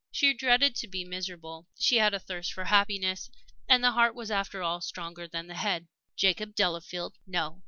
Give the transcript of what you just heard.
She dreaded to be miserable; she had a thirst for happiness, and the heart was, after all, stronger than the head. Jacob Delafield? No!